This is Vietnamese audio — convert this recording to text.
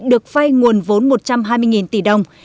được phay nguồn vốn một trăm hai mươi tỷ đồng